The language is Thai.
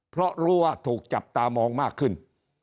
เพราะรู้ว่าถูกจับตามองมากขึ้น